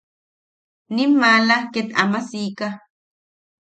Nim maala ket ama sika.